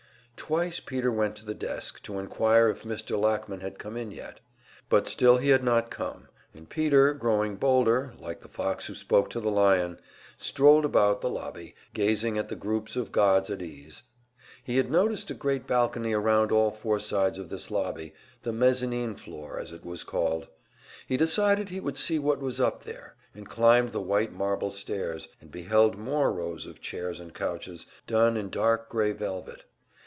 Twice Peter went to the desk, to inquire if Mr. Lackman had come in yet; but still he had not come; and Peter growing bolder, like the fox who spoke to the lion strolled about the lobby, gazing at the groups of gods at ease. He had noticed a great balcony around all four sides of this lobby, the "mezzanine floor," as it was called; he decided he would see what was up there, and climbed the white marble stairs, and beheld more rows of chairs and couches, done in dark grey velvet.